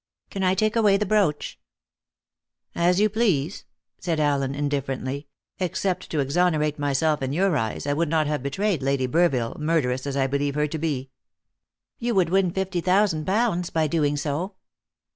Can I take away this brooch?" "As you please," said Allen indifferently; "except to exonerate myself in your eyes, I would not have betrayed Lady Burville, murderess as I believe her to be." "You would win fifty thousand pounds by doing so."